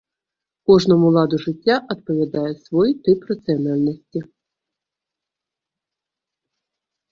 Кожнаму ладу жыцця адпавядае свой тып рацыянальнасці.